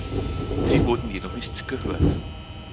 Sie wurden jedoch nicht gehört.